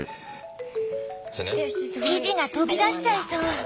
生地が飛び出しちゃいそう。